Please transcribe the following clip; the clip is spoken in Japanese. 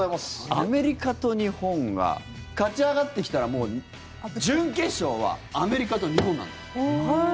アメリカと日本は勝ち上がってきたら準決勝はアメリカと日本なの。